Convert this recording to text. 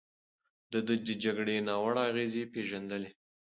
ده د جګړې ناوړه اغېزې پېژندلې.